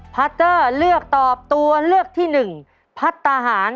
พัฒน์ตาหารเลือกตอบตัวเลือกที่หนึ่งพัฒน์ตาหาร